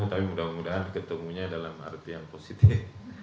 tapi mudah mudahan ketemunya dalam arti yang positif